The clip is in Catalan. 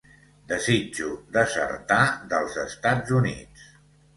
Desitjo desertar dels Estats Units.